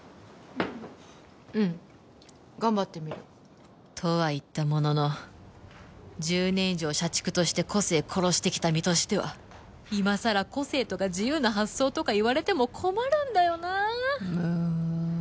うん頑張ってみるとは言ったものの１０年以上社畜として個性殺してきた身としては今さら個性とか自由な発想とか言われても困るんだよなむん